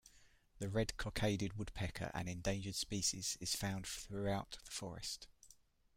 The red-cockaded woodpecker, an endangered species, is found throughout the forest.